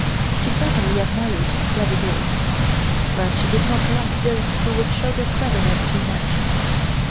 She certainly admired clever girls, but she did not like those who would show their cleverness too much.